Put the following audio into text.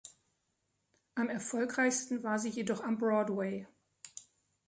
Am erfolgreichsten war sie jedoch am Broadway.